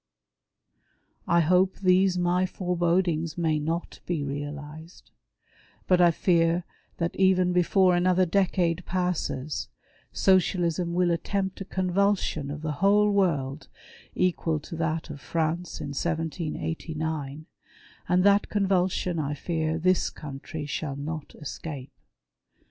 I hope these my forebodings may not be realized, but I fear that even before another decade passes, Socialism Avill attempt a convulsion of the Avhole world equal to that of France in 1789 ; and that convulsion I fear this country shall not escape.